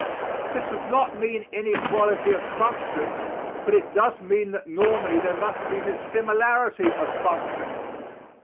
This does not mean inequality of function, but it does mean that normally there must be dissimilarity of function.